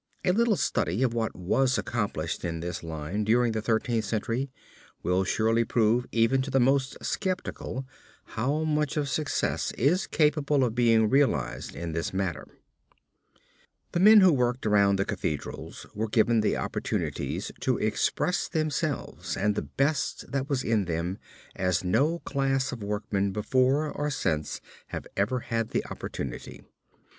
A little study of what was accomplished in this line during the Thirteenth Century, will surely prove even to the most skeptical how much of success is capable of being realized in this matter. The men who worked around the Cathedrals were given opportunities to express themselves and the best that was in them as no class of workmen before or since have ever had the opportunity.